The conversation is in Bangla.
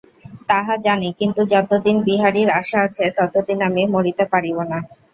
তাহা জানি, কিন্তু যতদিন বিহারীর আশা আছে, ততদিন আমি মরিতে পারিব না।